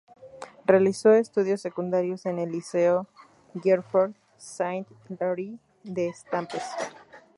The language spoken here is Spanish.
Realizó estudios secundarios en el liceo Geoffroy-Saint-Hilaire, de Étampes.